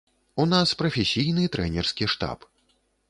У нас прафесійны трэнерскі штаб.